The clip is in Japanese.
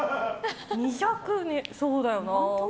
２００そうだよな。